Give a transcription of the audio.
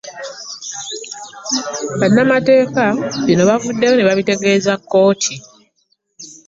Bannamateeka bino bavuddeyo ne babitegeeza kkooti